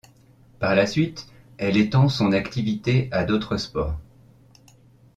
Par la suite, elle étend son activité à d'autres sports.